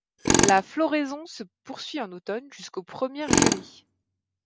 La floraison se poursuit en automne jusqu'aux premières gelées.